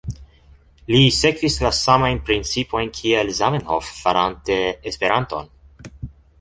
Li sekvis la samajn principojn kiel Zamenhof farante Esperanton.